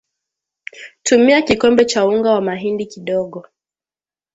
tumia kikombe cha unga wa mahindi kidogo